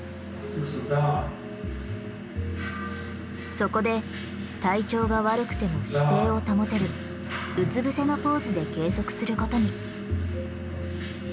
そこで体調が悪くても姿勢を保てるうつ伏せのポーズで計測することに。